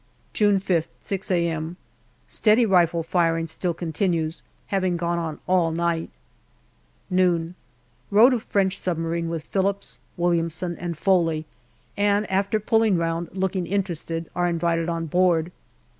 June 5th, 6 a.m. Steady rifle firing still continues, having gone on all night. 122 GALLIPOLI DIARY Noon. Row to French submarine with Phillips, Williamson and Foley, and after pulling round, looking interested, are invited on board.